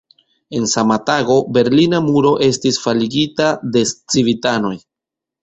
En sama tago, Berlina muro estis faligita de civitanoj.